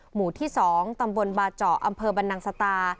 หมู่ที่๒ตำบลบาเจาะอำเภอบรรนังสตา